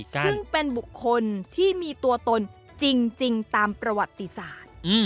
ซึ่งเป็นบุคคลที่มีตัวตนจริงตามประวัติศาสตร์